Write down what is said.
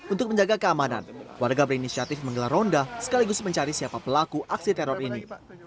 untuk menjaga keamanan warga berinisiatif menggelar ronda sekaligus mencari siapa pelaku aksi teror ini